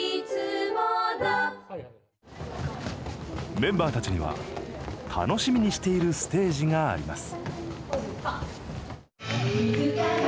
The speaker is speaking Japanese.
メンバーたちには楽しみにしているステージがあります